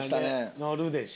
乗るでしょ。